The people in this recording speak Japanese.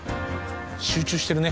集中してるね。